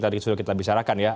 tadi sudah kita bicarakan ya